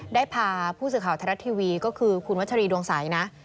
ได้พาผู้สื่อข่าวไทยรัฐทีวีก็คือคุณวัชรีดวงใสนะ